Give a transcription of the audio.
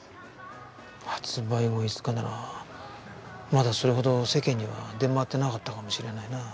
発売後５日ならまだそれほど世間には出回ってなかったかもしれないな。